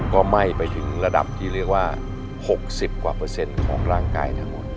ก็ไหม้ไปถึงระดับที่เรียกว่า๖๐กว่าเปอร์เซ็นต์ของร่างกายทั้งหมด